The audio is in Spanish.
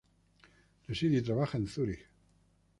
Reside y trabaja en Zúrich.